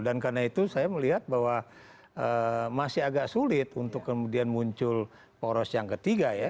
dan karena itu saya melihat bahwa masih agak sulit untuk kemudian muncul poros yang ketiga ya